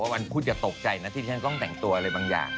วันพุธอย่าตกใจนะที่ฉันต้องแต่งตัวอะไรบางอย่าง